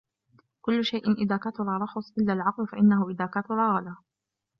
كُلُّ شَيْءٍ إذَا كَثُرَ رَخُصَ إلَّا الْعَقْلَ فَإِنَّهُ إذَا كَثُرَ غَلَا